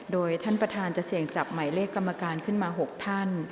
โดยท่านประธานจะเสี่ยงจับหมายเลขกรรมการขึ้นมา๖ท่าน